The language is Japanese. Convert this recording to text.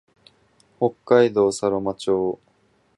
北海道佐呂間町